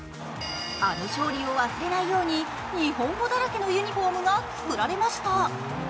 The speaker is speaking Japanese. あの勝利を忘れないように日本語だらけのユニフォームが作られました。